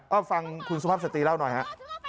เอาฟังคุณสุภาพสตรีเล่าหน่อยฮะ